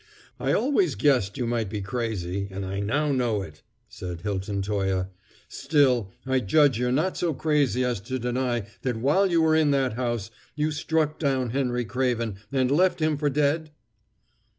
"I always guessed you might be crazy, and I now know it," said Hilton Toye. "Still, I judge you're not so crazy as to deny that while you were in that house you struck down Henry Craven, and left him for dead?"